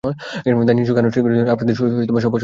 তাই নিছক আনুষ্ঠানিকতার জন্য আপনাদের সবার মতামত চাই আমি।